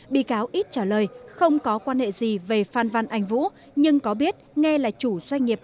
bị cáo ít trả lời không có quan hệ gì về phan văn anh vũ nhưng có biết nghe là chủ doanh nghiệp